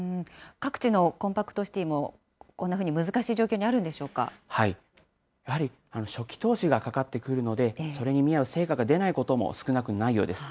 各地のコンパクトシティもこんなふうに難しい状況にあるんでやはり初期投資がかかってくるので、それに見合う成果が出ないことも少なくないようです。